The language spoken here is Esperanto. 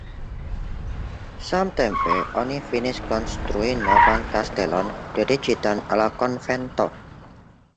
Samtempe oni finis konstrui novan kastelon dediĉitan al la konvento.